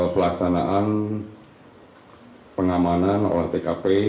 pelaksanaan pengamanan oleh tkp